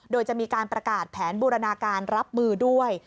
โดยจะมีการประกาศแผนบูรณาการรับมือด้วย